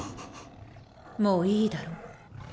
もういいだろう。